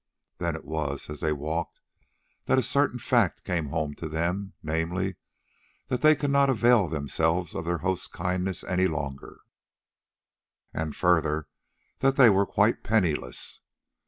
Then it was, as they walked, that a certain fact came home to them; namely, that they could not avail themselves of their host's kindness any longer, and, further, that they were quite penniless.